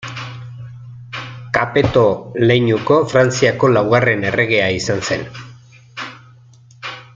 Kapeto leinuko Frantziako laugarren erregea izan zen.